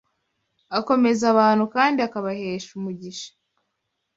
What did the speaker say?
akomeza abantu kandi akabahesha umugisha,